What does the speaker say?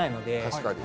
確かに。